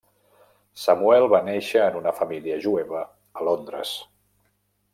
Samuel va néixer en una família jueva a Londres.